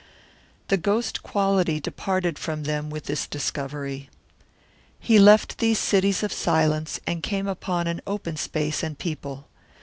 The ghost quality departed from them with this discovery. He left these cities of silence and came upon an open space and people.